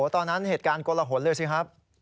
ตอนนั้นเหตุการณ์กลหนเลยสิครับ